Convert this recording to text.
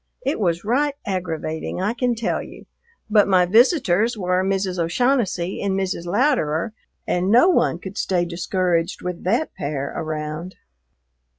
It was right aggravating, I can tell you, but my visitors were Mrs. O'Shaughnessy and Mrs. Louderer, and no one could stay discouraged with that pair around.